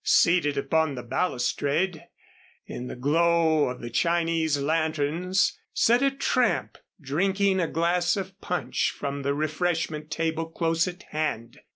Seated upon the balustrade in the glow of the Chinese lanterns sat a tramp, drinking a glass of punch from the refreshment table close at hand.